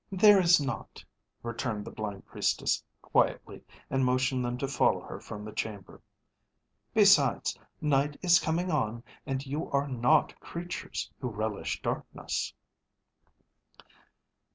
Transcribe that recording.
"There is not," returned the blind Priestess quietly and motioned them to follow her from the chamber. "Besides, night is coming on and you are not creatures who relish darkness."